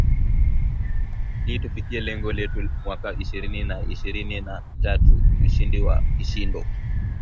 ili tufikie lengo letu mwaka ishirini na ishirini na tatu ushindi wa kishindo